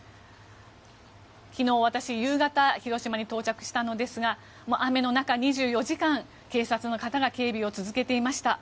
昨日、私、夕方広島に到着したのですが雨の中２４時間警察の方が警備を続けていました。